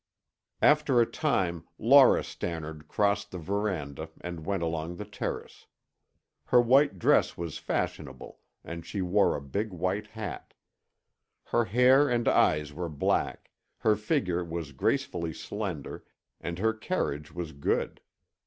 After a time, Laura Stannard crossed the veranda and went along the terrace. Her white dress was fashionable and she wore a big white hat. Her hair and eyes were black, her figure was gracefully slender, and her carriage was good.